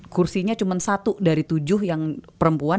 kursinya cuma satu dari tujuh yang perempuan